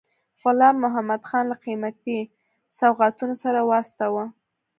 غلام محمدخان له قیمتي سوغاتونو سره واستاوه.